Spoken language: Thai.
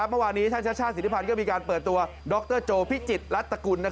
เมื่อวานี้ท่านชัชชาสีริพาณก็มีการเปิดตัวดรโจพิจิตรรัฐกุล